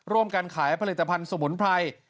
ร่วมกันขายผลิตภัณฑ์สมุนไพร